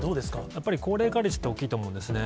やっぱり高齢化率って大きいと思うんですね。